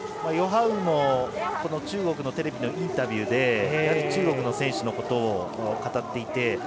ヨハウグも中国のテレビのインタビューで中国の選手のことを語っていて。